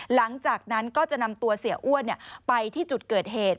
หลังจากนั้นก็จะนำตัวเสียอ้วนไปที่จุดเกิดเหตุ